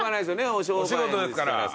お仕事ですから。